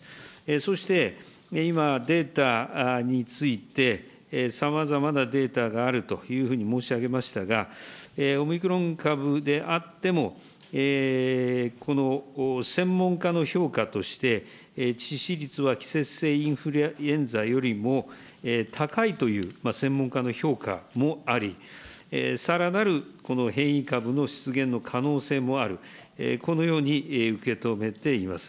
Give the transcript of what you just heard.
そして今、データについてさまざまなデータがあるというふうに申し上げましたが、オミクロン株であっても、この専門家の評価として、致死率は季節性インフルエンザよりも高いという専門家の評価もあり、さらなるこの変異株の出現の可能性もある、このように受け止めています。